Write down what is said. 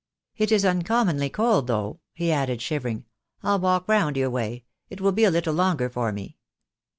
"It is uncommonly cold though," he added, shivering. "I'll walk round your way. It will be a little longer for me."